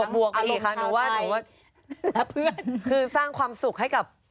บวกไปอีกค่ะหนูว่าคือสร้างความสุขให้กับ